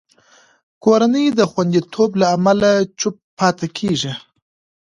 کورنۍ د خوندیتوب له امله چوپ پاتې کېږي.